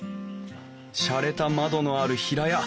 しゃれた窓のある平屋。